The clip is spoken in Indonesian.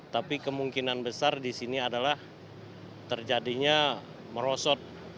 tapi kemungkinan besar di sini adalah terjadinya merosot